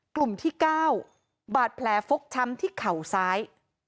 กลุ่มที่๙บาดแผลฟกช้ำที่เข่าซ้าย